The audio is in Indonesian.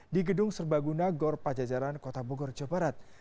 di gedung serbaguna gor pajajaran kota bogor jawa barat